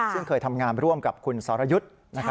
ซึ่งเคยทำงานร่วมกับคุณสรยุทธ์